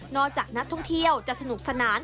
จากนักท่องเที่ยวจะสนุกสนาน